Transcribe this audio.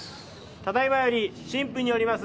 ただいまより新婦によります